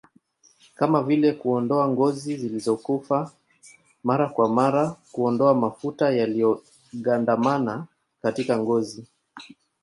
kama vile kuondoa ngozi zilizokufa mara kwa mara Kuondoa mafuta yaliyogandamana katika ngozi